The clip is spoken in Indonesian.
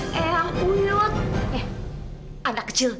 eh anak kecil